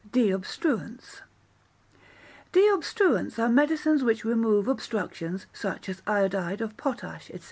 Deobstruents Deobstruents are medicines which remove obstructions, such as iodide of potash, &c.